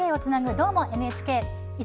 「どーも、ＮＨＫ」